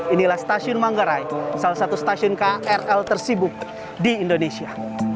inilah stasiun manggarai salah satu stasiun krl tersibuk di indonesia